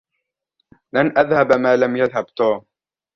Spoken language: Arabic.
لن أذهب ما لَم يذهب توم.